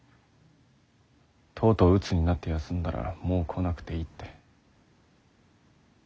とうとううつになって休んだら「もう来なくていい」って。